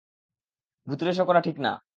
ভুতুড়ে শো করা ঠিক না।